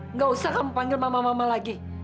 nggak usah kamu panggil mama mama lagi